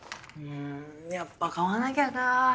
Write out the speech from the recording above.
んやっぱ買わなきゃか。